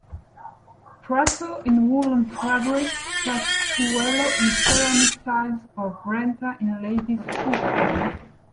Prato in woollen fabric, Sassuolo in ceramic tiles or Brenta in ladies' footwear.